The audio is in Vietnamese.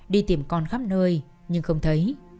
đi tìm con khắp nơi nhưng không thấy